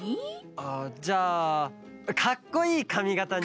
あっじゃあカッコいいかみがたに。